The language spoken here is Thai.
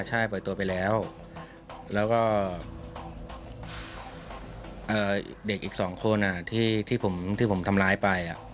ใช่ปล่อยตัวไปแล้วแล้วก็เด็กอีก๒คนที่ผมทำร้ายไป